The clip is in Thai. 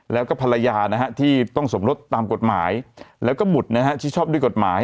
แล้วก็ภรรยาที่ต้องสมรสตามกฎหมายแล้วก็บุตรที่ชอบด้วยกฎหมาย